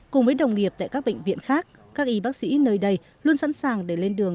cùng với đồng nghiệp tại các bệnh viện khác các y bác sĩ nơi đây luôn sẵn sàng để lên đường